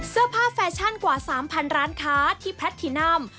เสื้อผ้าแฟชั่นกว่า๓๐๐๐ร้านค้าที่พลัทธินำ